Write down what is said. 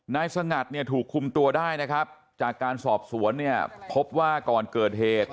นายสงัดถูกคุมตัวได้นะครับจากการสอบสวนพบว่าก่อนเกิดเหตุ